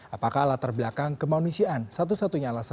apakah alat terbelakang kemanusiaan satu satunya alasan